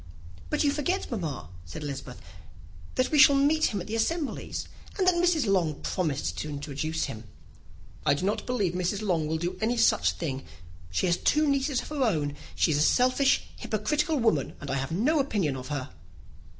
"But you forget, mamma," said Elizabeth, "that we shall meet him at the assemblies, and that Mrs. Long has promised to introduce him." "I do not believe Mrs. Long will do any such thing. She has two nieces of her own. She is a selfish, hypocritical woman, and I have no opinion of her."